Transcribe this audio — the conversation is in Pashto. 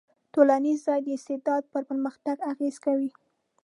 ټولنیز ځای د استعداد په پرمختګ اغېز کوي.